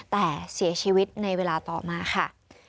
แต่เสียชีวิตในเวลาต่อมาค่ะ